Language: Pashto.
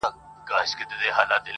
موږ به کله تر منزل پوري رسیږو-